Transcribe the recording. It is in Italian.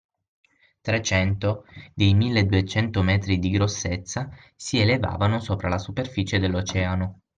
Trecento dei milleduecento metri di grossezza, si elevavano sopra la superficie dell’Oceano.